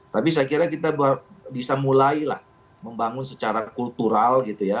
tapi saya kira kita bisa mulai lah membangun secara kultural gitu ya